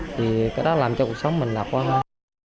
thì cái đó làm cho cuộc sống mình lạc quan hơn